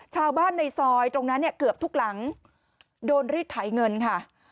ชาวบ้านในซอยตรงนั้นเนี่ยเกือบทุกหลังโดนรีดไถเงินค่ะ